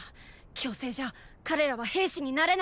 強制じゃ彼らは兵士になれない！